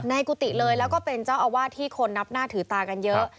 กุฏิเลยแล้วก็เป็นเจ้าอาวาสที่คนนับหน้าถือตากันเยอะ